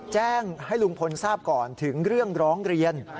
แจ้งให้ลุงพลทราบก่อนถึงเรื่องร้องเรียน